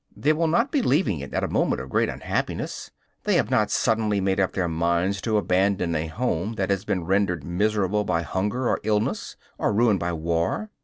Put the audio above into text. They will not be leaving it at a moment of great unhappiness; they have not suddenly made up their minds to abandon a home that has been rendered miserable by hunger or illness, or ruined by war.